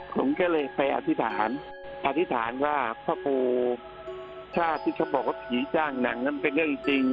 ผมก็เลยไปอธิษฐานอธิษฐานว่าพระครูชาติที่เขาบอกว่าผีจ้างหนังนั้นเป็นเรื่องจริง